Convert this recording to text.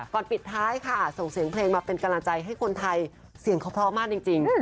ปิดท้ายค่ะส่งเสียงเพลงมาเป็นกำลังใจให้คนไทยเสียงเขาพร้อมมากจริง